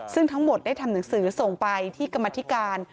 ซึ่งทั้งหมดได้ทำหนังสือส่งไปที่กรรมธิการ